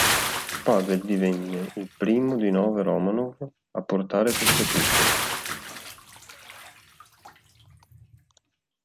Pavel divenne il primo di nove Romanov a portare questo titolo.